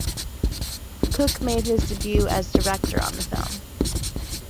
Cook made his debut as director on the film.